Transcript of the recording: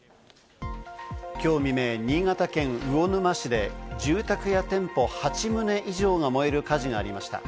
きょう未明、新潟県魚沼市で住宅や店舗８棟以上が燃える火事がありました。